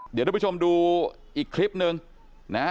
เดี๋ยวทุกผู้ชมดูอีกคลิปหนึ่งนะฮะ